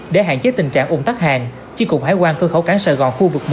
để hạn chế tình trạng ụn tắt hàng chiên cục hải quan cơ khẩu cảng sài gòn khu vực một